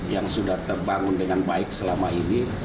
yang sudah terbangun dengan baik selama ini